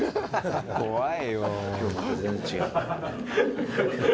怖いよ。